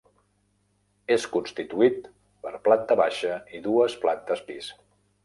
És constituït per planta baixa i dues plantes pis.